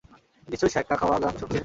নিশ্চয়ই ছ্যাঁকা খাওয়া গান শুনছে।